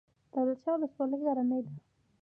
دولت شاه ولسوالۍ غرنۍ ده؟